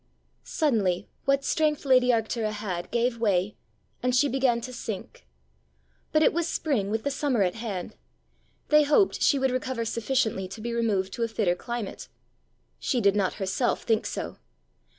Suddenly what strength lady Arctura had, gave way, and she began to sink. But it was spring with the summer at hand; they hoped she would recover sufficiently to be removed to a fitter climate. She did not herself think so.